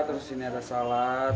terus ini ada salad